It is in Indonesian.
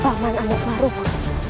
baman amat maruhmu